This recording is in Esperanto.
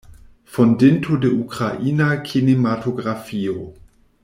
Fondinto de ukraina kinematografio.